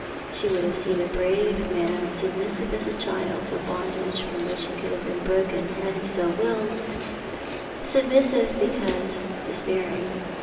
She would have seen a brave man submissive as a child to a bondage from which he could have broken had he so willed — submissive because despairing.